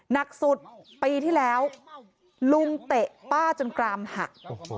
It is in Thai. หนักสุดปีที่แล้วลุงเตะป้าจนกรามหัก